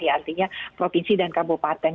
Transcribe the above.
artinya provinsi dan kabupaten